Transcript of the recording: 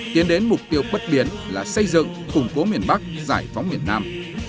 tiến đến mục tiêu bất biến là xây dựng củng cố miền bắc giải phóng miền nam